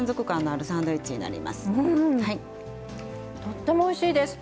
とってもおいしいです。